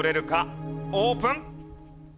オープン！